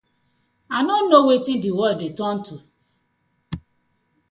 I no kno wetin di world dey turn to ooo.